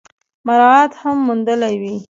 مراعات هم موندلي وي ۔